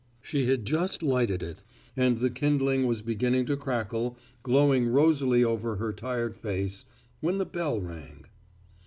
She had just lighted it, and the kindling was beginning to crackle, glowing rosily over her tired face, when the bell rang.